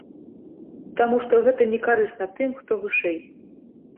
Таму што гэта не карысна тым, хто вышэй.